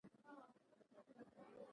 تا به هم په هغو تېلو ځان غوړ کړی و.